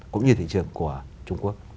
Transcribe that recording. cũng như thị trường của trung quốc